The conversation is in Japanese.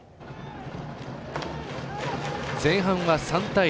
前半は３対２。